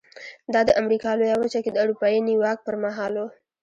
دا د امریکا لویه وچه کې د اروپایي نیواک پر مهال و.